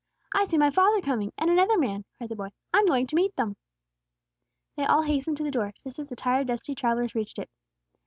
"I see my father coming, and another man," cried the boy. "I'm going to meet them." They all hastened to the door, just as the tired, dusty travellers reached it.